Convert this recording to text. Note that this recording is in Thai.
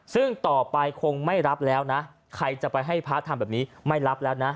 ซึ่งต่อไปคงไม่รับแล้วนะใครจะไปให้พระทำแบบนี้ไม่รับแล้วนะ